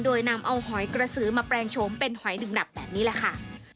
โดยนำเอาหอยกระสือมาแปลงโฉมเป็นหอยหนึ่งดับแบบนี้แหละค่ะ